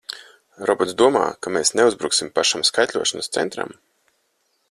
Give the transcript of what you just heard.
Robots domā, ka mēs neuzbruksim pašam skaitļošanas centram!